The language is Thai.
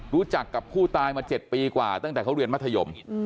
รู้จักกับผู้ตายมา๗ปีกว่าตั้งแต่เขาเรียนมัธยม